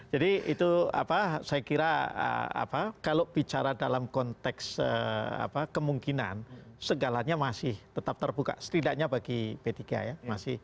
jadi itu saya kira kalau bicara dalam konteks kemungkinan segalanya masih tetap terbuka setidaknya bagi p tiga ya